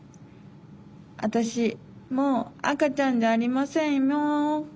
あたしもうあかちゃんじゃありませんよう。